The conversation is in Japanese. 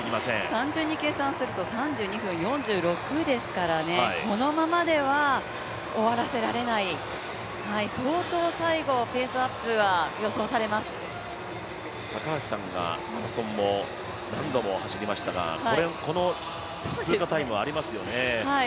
単純に計算すると３２分４６ですから、このままでは終わらせられない、相当最後、ペースアップは高橋さんがマラソンを何度も走りましたがこの通過タイムはありますよね？